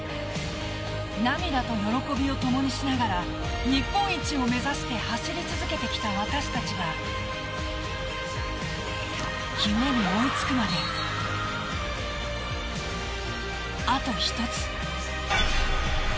涙と喜びを共にしながら日本一を目指して走り続けてきた私たちが夢に追いつくまであと一つ。